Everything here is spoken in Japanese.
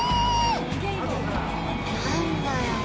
何だよ